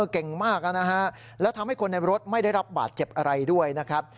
เก่งมากนะฮะแล้วทำให้คนในรถไม่ได้รับบาดเจ็บอะไรด้วยนะครับ